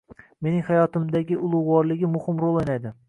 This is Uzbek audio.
Mening hayotimdagi ulug'vorligi muhim rol o'ynaydi.